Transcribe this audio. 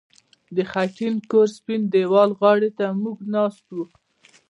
د خټین کور د سپین دېوال غاړې ته موږ ناست وو